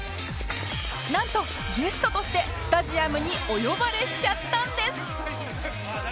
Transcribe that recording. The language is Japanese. なんとゲストとしてスタジアムにお呼ばれしちゃったんです